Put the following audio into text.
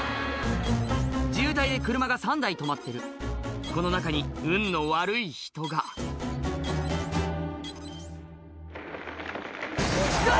渋滞で車が３台止まってるこの中に運の悪い人がうわ！